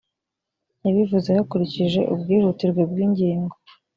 yabivuze hakurikijwe ubwihutirwe bw ‘ingingo.